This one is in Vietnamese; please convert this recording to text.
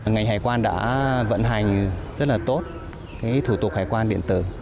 ngành hải quan đã vận hành rất là tốt thủ tục hải quan điện tử